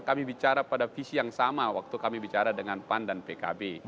kami bicara pada visi yang sama waktu kami bicara dengan pan dan pkb